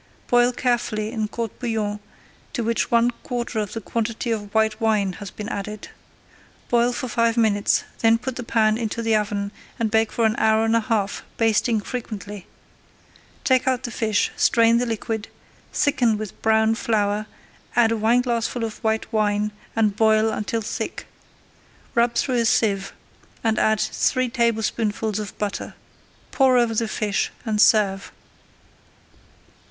Boil carefully in court bouillon to which one quarter of the quantity of white wine has been added. Boil for five minutes, then put the pan into the oven and bake for an hour and a half, basting frequently. Take out the fish, strain the liquid, thicken with browned flour, add a wineglassful of white wine, and boil until thick. Rub through a sieve and add three tablespoonfuls of butter. Pour over the fish and serve.